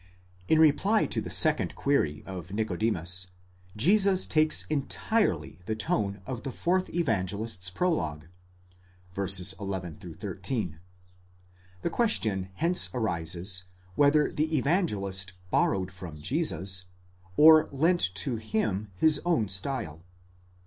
In reply to the second query of Nicodemus, Jesus takes entirely the tone of the fourth Evangelist's prologue (v. 11 13).1!_ The question hence arises, whether the Evangelist borrowed from Jesus, or lent to him his own style.